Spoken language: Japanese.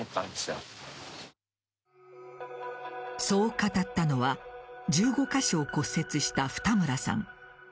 そう語ったのは１５か所を骨折した二村さん。